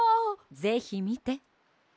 ぜひみて。